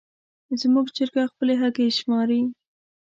زموږ چرګه خپلې هګۍ شماري.